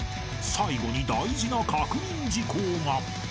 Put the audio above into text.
［最後に大事な確認事項が］